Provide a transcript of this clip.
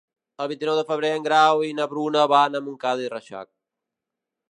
El vint-i-nou de febrer en Grau i na Bruna van a Montcada i Reixac.